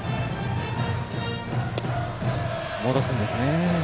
戻すんですね。